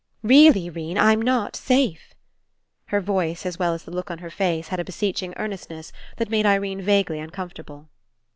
Really, 'Rene, I'm not safe." Her voice as well as the look on her face had a beseeching earnestness that made Irene vaguely uncomfortable.